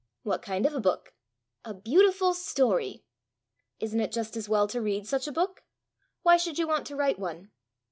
"What kind of a book?" "A beautiful story." "Isn't it just as well to read such a book? Why should you want to write one?"